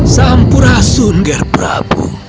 sampurasun ger prabu